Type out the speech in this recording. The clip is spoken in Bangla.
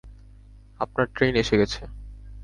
আপনার ট্রেইন এসে গেছে।